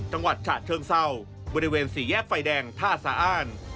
จังหวัดฉะเชิงเศร้าบริเวณสี่แยกไฟแดงท่าสะอ้าน